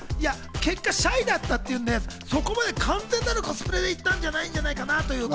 結果シャイだったっていうんで、そこまで完全なるコスプレで行ったんじゃないんじゃないかなって。